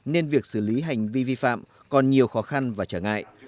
nên việc xử lý hành vi vi phạm còn nhiều khó khăn và trở ngại